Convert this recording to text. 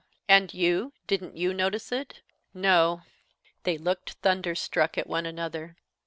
And you, didn't you notice it?" "No." They looked, thunderstruck, at one another.